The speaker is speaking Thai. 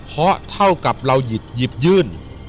เพราะเท่ากับเราหยิบยื่น